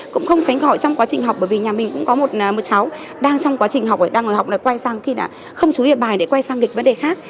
cũng không tránh khỏi trong quá trình học bởi vì nhà mình cũng có một cháu đang trong quá trình học đang ngồi học là quay sang khi đã không chú hiệp bài để quay sang nghịch vấn đề khác